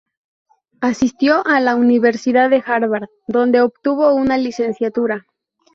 Asistió a la Universidad de Harvard, donde obtuvo una licenciatura.